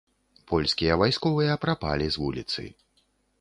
Польскія вайсковыя прапалі з вуліцы.